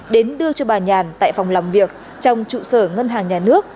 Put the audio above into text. đến đưa cho bà nhàn tại phòng làm việc trong trụ sở ngân hàng nhà nước